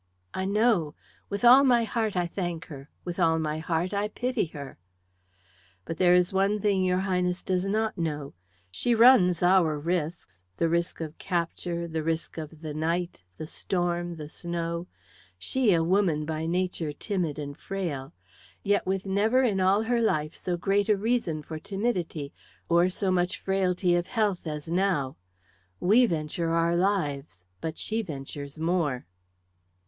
"I know. With all my heart I thank her. With all my heart I pity her." "But there is one thing your Highness does not know. She runs our risks, the risk of capture, the risk of the night, the storm, the snow, she a woman by nature timid and frail, yet with never in all her life so great a reason for timidity, or so much frailty of health as now. We venture our lives, but she ventures more."